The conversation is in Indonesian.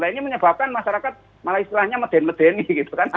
lainnya menyebabkan masyarakat malah istilahnya meden meden gitu kan